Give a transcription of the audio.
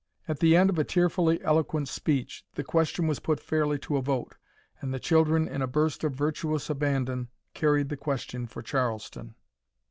At the end of a tearfully eloquent speech the question was put fairly to a vote, and the children in a burst of virtuous abandon carried the question for Charleston.